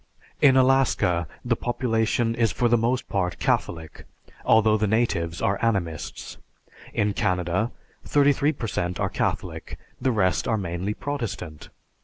In Alaska, the population is for the most part Catholic, although the natives are animists. In Canada, 33 per cent are Catholic, the rest are mainly Protestant.